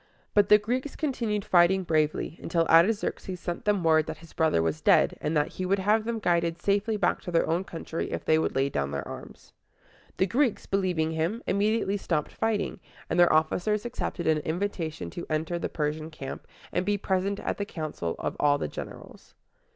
But the Greeks continued fighting bravely, until Artaxerxes sent them word that his brother was dead, and that he would have them guided safely back to their own country if they would lay down their arms. The Greeks, believing him, immediately stopped fighting; and their officers accepted an invitation to enter the Persian camp, and be present at the council of all the generals.